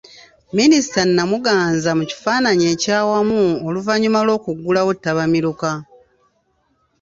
Minisita Namuganza mu kifaananyi ekyawamu oluvannyuma lw'okuggulawo tabamiruka.